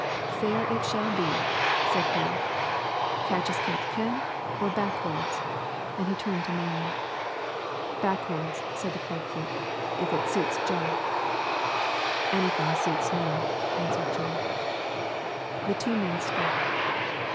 "Fair it shall be," said he; "catch as catch can or back holds?" And he turned to Malan. "Back holds," said the clubfoot, "if that suits Jud." "Anything suits me," answered Jud. The two men stripped.